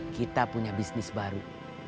kita punya bisnis baru